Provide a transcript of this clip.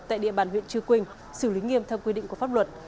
tại địa bàn huyện chư quynh xử lý nghiêm theo quy định của pháp luật